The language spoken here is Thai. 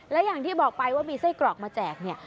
และอย่างที่บอกไปว่ามีไส้กรอกมาแจกเนี่ย